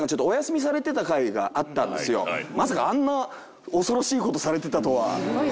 まさかあんな恐ろしい事されてたとは。